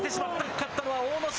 勝ったのは阿武咲。